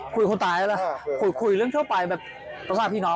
อ๋อคุยคนตายนั้นหรอคุยเรื่องทั่วไปแบบประสานพี่น้อง